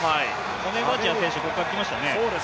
ボネバチア選手、ここからきましたね。